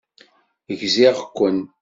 Gziɣ-ken.